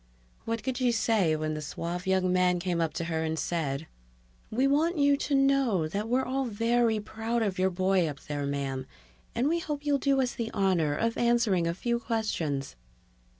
What could she say when the suave young man came up to her and said, "We want you to know that we're all very proud of your boy up there, ma'am, and we hope you'll do us the honor of answering a few questions."